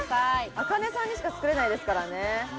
あかねさんにしかつくれないですからね。